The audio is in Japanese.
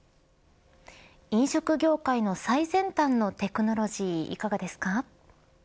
飲食業界の最先端のテクノロジーいかがですか。